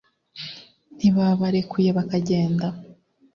ntibabarekuye bakagenda